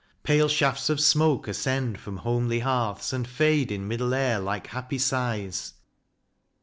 Pale shafts of smoke ascend from homely hearths, And fade in middle air like happy sighs.